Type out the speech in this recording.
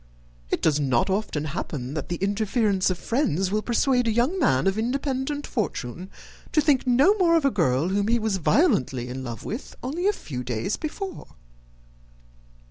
It does not often happen that the interference of friends will persuade a young man of independent fortune to think no more of a girl whom he was violently in love with only a few days before."